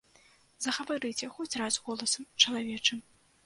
Загаварыце хоць раз голасам чалавечым.